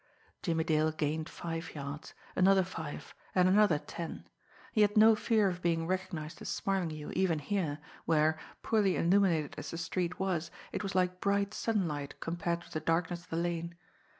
Jimmie Dale gained five yards, another five, and another ten. He had no fear of being recognised as Smarlinghue even here, where, poorly illuminated as the street was, it was like bright sunlight compared with the darkness of the lane.